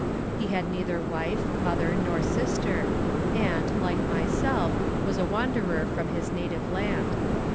He had neither wife, mother nor sister, and, like myself, was a wanderer from his native land.